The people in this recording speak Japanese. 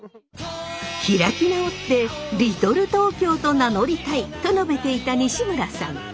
開き直って「リトル東京」と名乗りたいと述べていた西村さん。